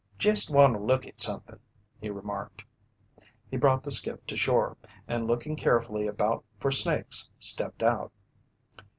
"Jest want to look at something," he remarked. He brought the skiff to shore, and looking carefully about for snakes, stepped out.